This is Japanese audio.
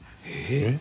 えっ！？